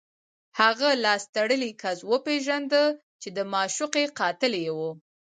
هغه لاس تړلی کس وپېژنده چې د معشوقې قاتل یې و